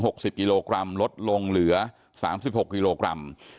หลติลงเหลือ๓๖กิโลกรัม